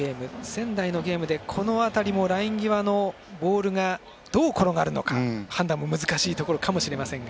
仙台のゲームでこの当たりもライン際のボールどう転がるのか、判断も難しいところかもしれませんが。